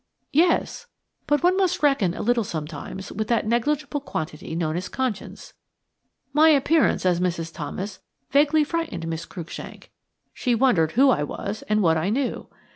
"Yes; but one must reckon a little sometimes with that negligible quantity known as conscience. My appearance as Mrs. Thomas vaguely frightened Miss Cruikshank. She wondered who I was and what I knew.